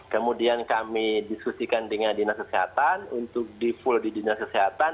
kemudian kami diskusikan dengan dinas kesehatan untuk di full di dinas kesehatan